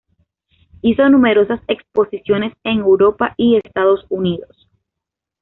Hizo numerosas exposiciones en Europa y Estados Unidos.